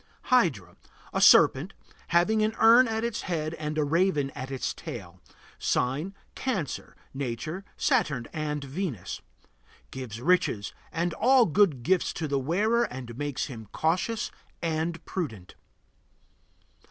HYDRA. A serpent, having an urn at its head and a raven at its tail. Sign: Cancer. Nature: Saturn and Venus. Gives riches and all good gifts to the wearer and makes him cautious and prudent.